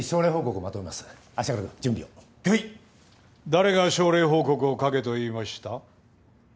誰が症例報告を書けと言いました？